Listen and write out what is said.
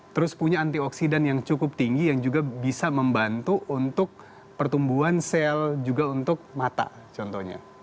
terus punya antioksidan yang cukup tinggi yang juga bisa membantu untuk pertumbuhan sel juga untuk mata contohnya